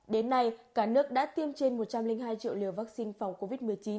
đến nay cả nước đã tiêm trên một trăm linh hai triệu liều vaccine phòng covid một mươi chín